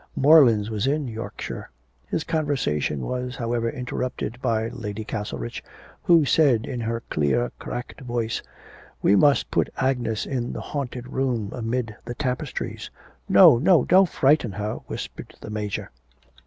Morelands was in Yorkshire. His conversation was, however, interrupted by Lady Castlerich, who said in her clear cracked voice: 'We must put Agnes in the haunted room amid the tapestries.' 'No, no, don't frighten her,' whispered the Major.